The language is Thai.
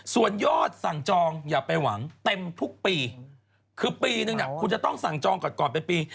ส่วนยอดสั่งจองอย่าไปหวังเต็มทุกปีคือปีนึงเนี่ยคุณจะต้องสั่งจองก่อนก่อนเป็นปี